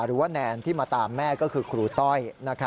หรือว่าแนนที่มาตามแม่ก็คือครูโต้ย